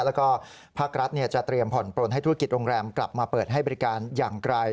แล้วก็ภาครัฐจะเตรียมผ่อนปลนให้ธุรกิจโรงแรมกลับมาเปิดให้บริการอย่างไกล